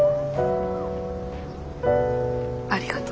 ありがと。